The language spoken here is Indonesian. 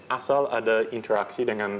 asal ada interaksi dengan